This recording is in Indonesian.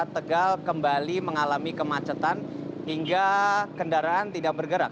tegal kembali mengalami kemacetan hingga kendaraan tidak bergerak